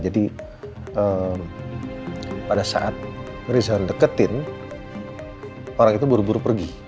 jadi pada saat riza deketin orang itu buru buru pergi